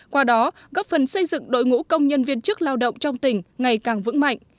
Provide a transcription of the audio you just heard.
qua đó góp phần xây dựng đội ngũ công nhân viên chức lao động trong tỉnh ngày càng vững mạnh